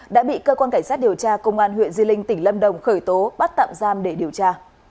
đã bị cơ quan cảnh sát điều tra công an huyện di linh tỉnh lâm đồng khởi tố bắt tạm giam để điều tra